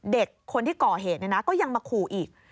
เด็กคนที่ก่อเหตุก็ยังมาขู่อีก